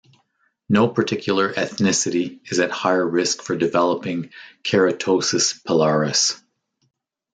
No particular ethnicity is at higher risk for developing keratosis pilaris.